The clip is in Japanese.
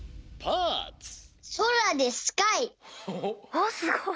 あっすごい。